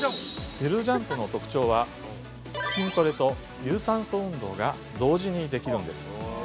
ゆるジャンプの特徴は筋トレと有酸素運動が同時にできるんです。